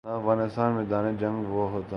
نہ افغانستان میدان جنگ وہ ہوتا ہے۔